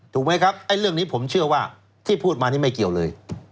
ถูกไหมครับไอ้เรื่องนี้ผมเชื่อว่าที่พูดมานี่ไม่เกี่ยวเลย